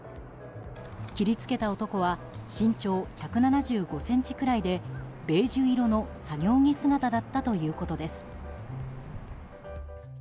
切りつけた男は身長１７５ｃｍくらいでベージュ色の作業着姿だったということです。